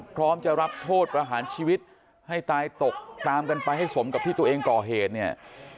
พร้อมจะรับโทษประหารชีวิตให้ตายตกตามกันไปให้สมกับที่ตัวเองก่อเหตุเนี่ย